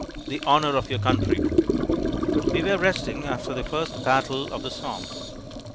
The Honour of Your Country We were resting after the first battle of the Somme.